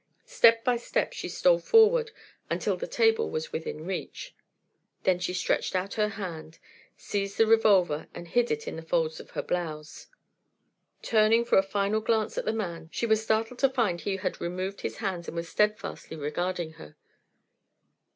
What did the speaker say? Step by step she stole forward until the table was within reach. Then she stretched out her hand, seized the revolver, and hid it in the folds of her blouse. Turning for a final glance at the man she was startled to find he had removed his hands and was steadfastly regarding her.